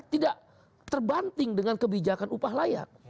tidak terbanting dengan kebijakan upah layak